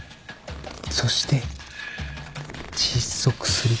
そして窒息する。